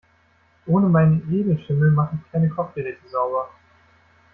Ohne meinen Edelschimmel mach ich keine Kochgeräte sauber.